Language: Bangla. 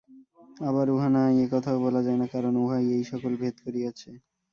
আবার উহা নাই, এ-কথাও বলা যায় না, কারণ উহাই এই-সকল ভেদ করিয়াছে।